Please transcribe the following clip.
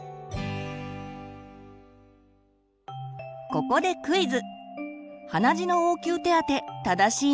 ここでクイズ。